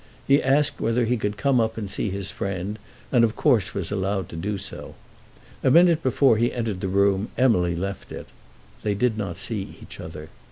He asked whether he could go up and see his friend, and of course was allowed to do so. A minute before he entered the room Emily left it. They did not see each other.